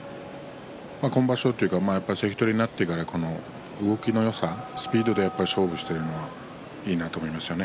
今場所、関取になってから動きのよさとスピードで勝負しているのがいいなと思いますよね。